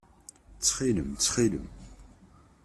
Ttxil-m! Ttxil-m!